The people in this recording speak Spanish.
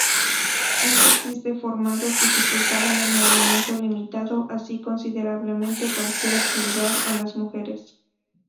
Estos pies deformados dificultaban el movimiento, limitando así considerablemente cualquier actividad a las mujeres.